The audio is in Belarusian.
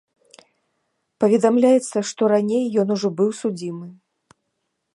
Паведамляецца, што раней ён ужо быў судзімы.